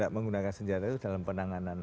menggunakan senjata itu dalam penanganan